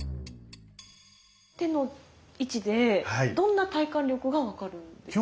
手の位置でどんな体幹力が分かるんですか？